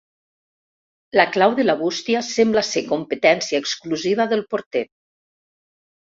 La clau de la bústia sembla ser competència exclusiva del porter.